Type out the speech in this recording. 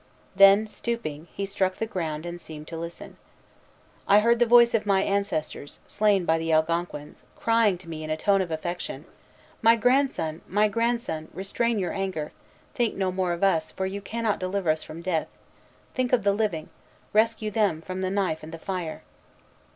Then, stooping, he struck the ground and seemed to listen. "I heard the voice of my ancestors, slain by the Algonquins, crying to me in a tone of affection, 'My grandson, my grandson, restrain your anger: think no more of us, for you cannot deliver us from death; think of the living; rescue them from the knife and the fire.'